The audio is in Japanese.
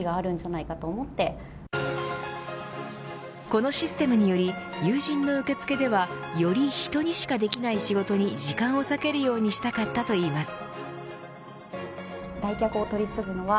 このシステムにより有人の受付ではより、人にしかできない仕事に時間を割けるようにしたかったといいます。